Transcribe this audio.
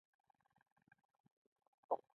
جاوید د هنر په لاره کې ډېرې سختۍ تېرې کړې